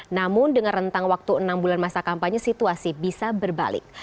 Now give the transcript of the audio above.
namun dengan rentang waktu enam bulan masa kampanye situasi bisa berbalik